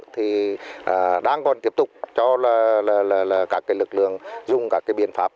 thì đang còn tiếp tục cho các lực lượng dùng các biện pháp